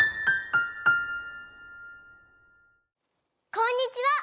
こんにちは！